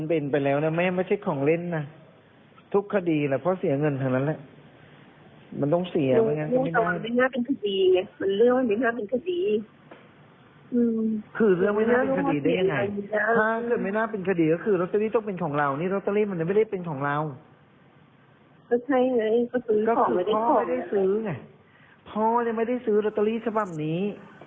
พ่อเนี่ยไม่ได้ซื้อลอตเตอรี่สำหรับนี้